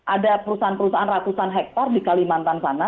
ada perusahaan perusahaan ratusan hektare di kalimantan sana